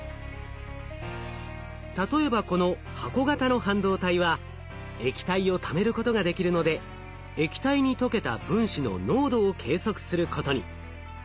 例えばこの箱型の半導体は液体をためることができるので液体に溶けた分子の濃度を計測することに。